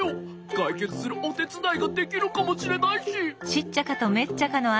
かいけつするおてつだいができるかもしれないし。